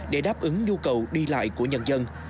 để đáp ứng nhu cầu đi lại của nhân dân